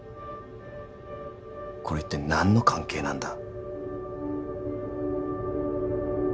これ一体何の関係なんだ？